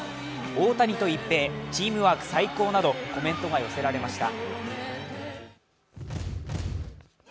大谷と一平、チームワーク最高などコメントが寄せられました。